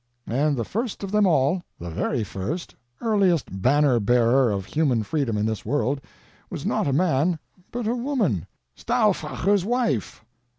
And the first of them all—the very first, earliest banner bearer of human freedom in this world—was not a man, but a woman—Stauffacher's wife.